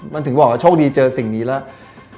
มันถึงบอกว่าโชคดีเจอสิ่งนี้แล้ว